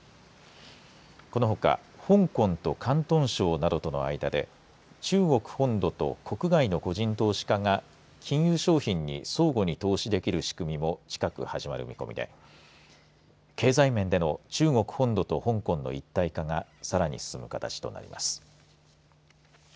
このほか香港と広東省などとの間で中国本土と国外の個人投資家が金融商品に相互に投資できる仕組みも近く始まる見込みで経済面での中国本土と香港の一体化がさらに進む形となります。